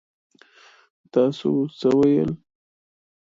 تاسو څه ويل؟